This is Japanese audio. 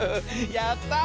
やった！